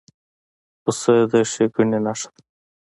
پسه د ښېګڼې نښه ده.